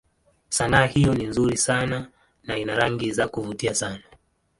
Sanaa hiyo ni nzuri sana na ina rangi za kuvutia sana.